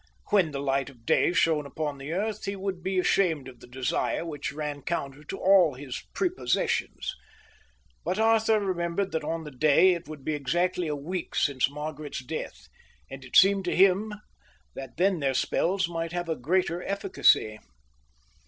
When the light of day shone upon the earth he would be ashamed of the desire which ran counter to all his prepossessions. But Arthur remembered that on the next day it would be exactly a week since Margaret's death, and it seemed to him that then their spells might have a greater efficacy.